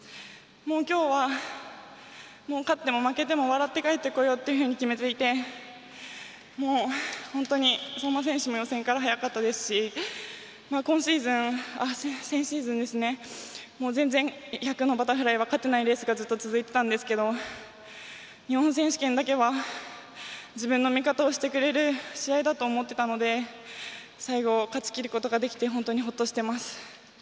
今日は、勝っても負けても笑って帰ってこようというふうに決めていて本当に相馬選手も予選から速かったですし先シーズン全然、１００のバタフライは勝てないレースが続いてたんですけど日本選手権だけは自分の味方をしてくれる試合だと思っていたので最後、勝ちきることができて本当に、ほっとしてます。